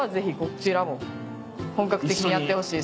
本格的にやってほしい。